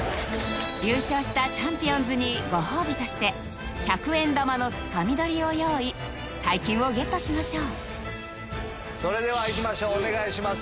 優勝したちゃんぴおんずにご褒美として１００円玉のつかみ取りを用意大金をゲットしましょうそれでは行きましょうお願いします